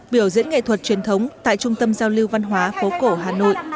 biểu diễn nghệ thuật truyền thống tại trung tâm giao lưu văn hóa phố cổ hà nội